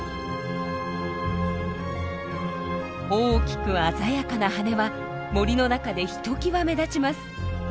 大きく鮮やかな羽は森の中でひときわ目立ちます。